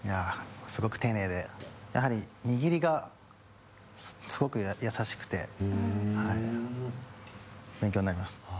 すごく丁寧でやはり握りがすごく優しくて勉強になります。